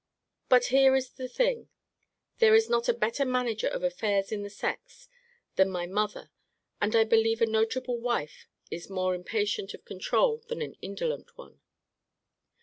But here is the thing: there is not a better manager of affairs in the sex than my mother; and I believe a notable wife is more impatient of controul than an indolent one.